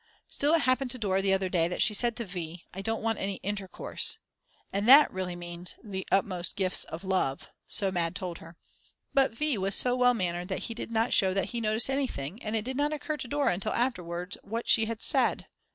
Still it happened to Dora the other day that she said to V.: I don't want any intercourse. And that really means "the utmost gifts of love," so Mad. told her. But V. was so well mannered that he did not show that he noticed anything; and it did not occur to Dora until afterwards what she had said.